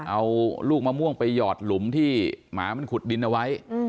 เอาลูกมะม่วงไปหยอดหลุมที่หมามันขุดดินเอาไว้